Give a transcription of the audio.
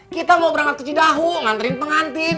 kita mau berangkat ke cidahu nganterin pengantin